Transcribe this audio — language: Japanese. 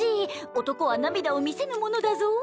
男は涙を見せぬものだぞ。